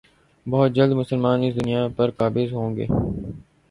بہت جلد مسلمان اس دنیا پر قابض ہوں گے